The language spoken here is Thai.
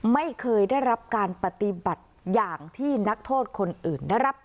ไม่เคยได้รับการปฏิบัติอย่างที่นักโทษคนอื่นได้รับ